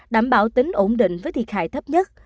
đảm bảo tính ổn định với thiệt hại thấp nhất